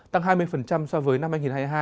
tăng hai mươi so với năm hai nghìn hai mươi hai